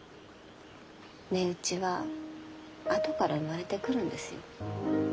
値打ちはあとから生まれてくるんですよ。